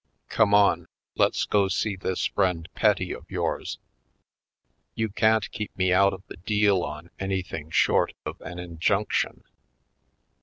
Come on — let's go see this friend. Petty, of 3^ours. You can't keep me out of the deal on anything short of an injunction."